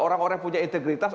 orang orang yang punya integritas